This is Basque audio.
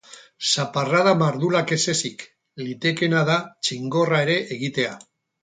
Zaparrada mardulak ez ezik, litekeena da txingorra ere egitea.